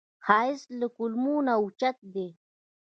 ښایست له کلمو نه اوچت دی